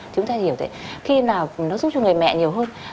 chúng ta hiểu thế khi nào nó giúp cho người mẹ nhiều hơn